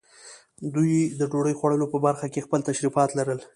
دوی د ډوډۍ خوړلو په برخه کې خپل تشریفات لرل.